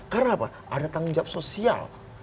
karena apa ada tanggung jawab sosial